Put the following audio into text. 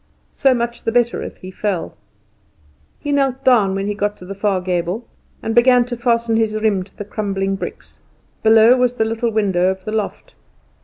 So much the better if he fell. He knelt down when he got to the far gable, and began to fasten his riem to the crumbling bricks. Below was the little window of the loft.